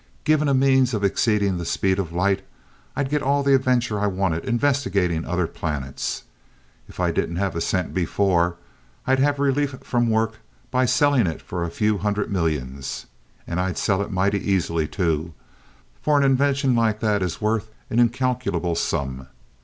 Given a means of exceeding the speed of light, I'd get all the adventure I wanted investigating other planets. If I didn't have a cent before, I'd have relief from work by selling it for a few hundred millions and I'd sell it mighty easily too, for an invention like that is worth an incalculable sum.